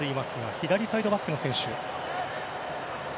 左サイドバックの選手。